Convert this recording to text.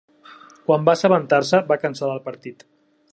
Quan va assabentar-se, va cancel·lar el partit.